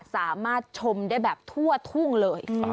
สามารถชมได้แบบทั่วทุ่งเลย